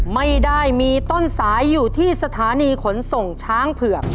ไม่ได้มีต้นสายอยู่ที่สถานีขนส่งช้างเผือก